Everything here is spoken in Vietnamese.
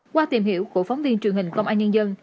qua tìm hiểu của phóng viên truyền hình công an nhân dân